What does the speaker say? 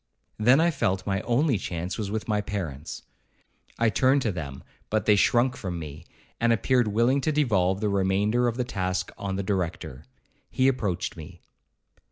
Then I felt my only chance was with my parents. I turned to them, but they shrunk from me, and appeared willing to devolve the remainder of the task on the Director. He approached me.